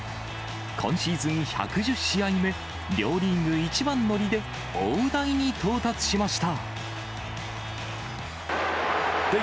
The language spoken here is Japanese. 今シーズン１１０試合目、両リーグ一番乗りで大台に到達しました。